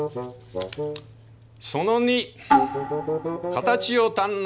「その２形を堪能すべし」。